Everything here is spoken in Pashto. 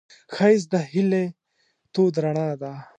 ښایست د هیلې تود رڼا ده